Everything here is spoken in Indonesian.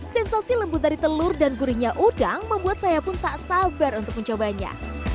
sensasi lembut dari telur dan gurihnya udang membuat saya pun tak sabar untuk mencobanya